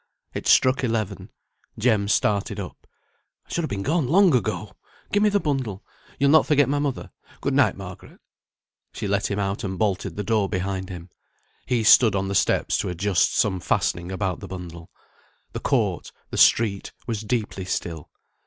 It struck eleven. Jem started up. "I should have been gone long ago. Give me the bundle. You'll not forget my mother. Good night, Margaret." She let him out and bolted the door behind him. He stood on the steps to adjust some fastening about the bundle. The court, the street, was deeply still.